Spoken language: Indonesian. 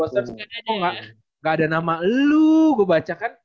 oh gak ada nama lu gue baca kan